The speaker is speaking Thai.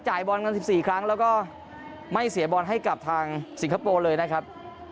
บอลกัน๑๔ครั้งแล้วก็ไม่เสียบอลให้กับทางสิงคโปร์เลยนะครับ